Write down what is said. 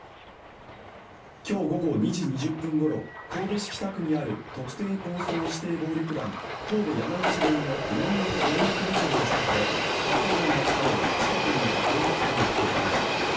今日午後２時２０分ごろ、神戸市北区にある特定抗争指定暴力団、神戸山口組の井上邦雄組長の自宅で発砲音がしたのを近くにいた警察官が気付きました。